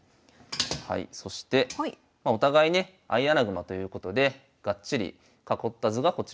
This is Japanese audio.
はいそしてまあお互いね相穴熊ということでガッチリ囲った図がこちらになります。